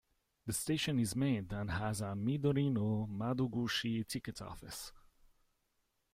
The station is manned, and has a "Midori no Madoguchi" ticket office.